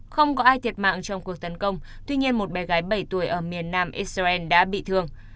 không có ai thiệt mạng trong cuộc tấn công tuy nhiên một bé gái bảy tuổi ở miền nam israel đã bị thương